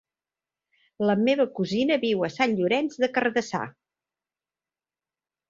La meva cosina viu a Sant Llorenç des Cardassar.